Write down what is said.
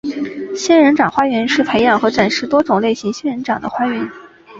仙人掌花园是培养和展示多种类型仙人掌的花园。